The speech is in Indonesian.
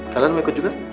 kalian mau ikut juga